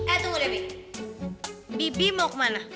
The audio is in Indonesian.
eh tunggu deh bi bibi mau kemana